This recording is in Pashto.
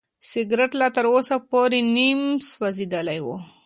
سګرټ لا تر اوسه پورې نیم سوځېدلی و.